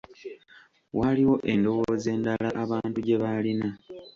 Waaliwo endowooza endala abantu gye baalina.